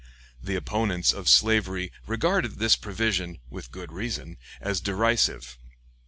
The opponents of slavery regarded this provision, with good reason, as derisive.